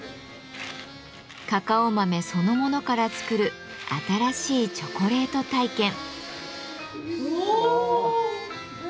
カカオ豆そのものから作る新しいチョコレート体験。